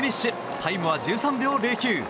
タイムは１３秒０９。